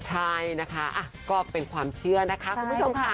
ใช่นะคะก็เป็นความเชื่อนะคะคุณผู้ชมค่ะ